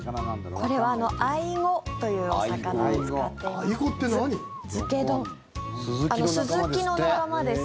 これはアイゴというお魚を使っています。